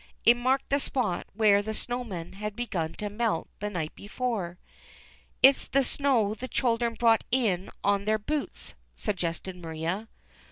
It marked the spot where the snow man had begun to melt the night before. ^^It's the snow the children brought in on their boots/' suggested Maria.